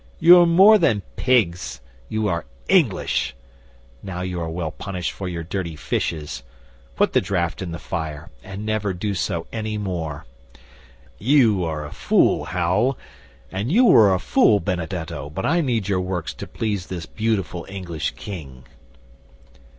"You are more than pigs. You are English. Now you are well punished for your dirty fishes. Put the draft in the fire, and never do so any more. You are a fool, Hal, and you are a fool, Benedetto, but I need your works to please this beautiful English King."